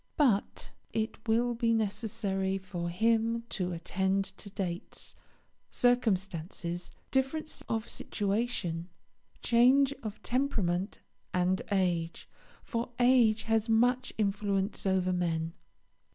But it will be necessary for him to attend to dates, circumstances, difference of situation, change of temperament, and age, for age has much influence over men.